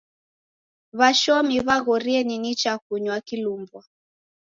W'ashomi w'aghorie ni nicha kunywa kilumbwa.